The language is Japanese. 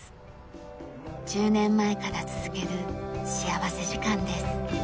１０年前から続ける幸福時間です。